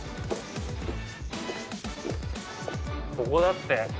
ここだって。